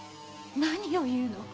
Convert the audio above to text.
何を言うの？